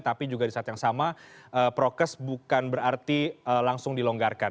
tapi juga di saat yang sama prokes bukan berarti langsung dilonggarkan